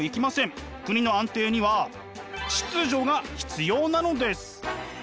国の安定には「秩序」が必要なのです。